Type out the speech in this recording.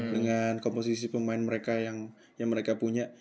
dengan komposisi pemain mereka yang mereka punya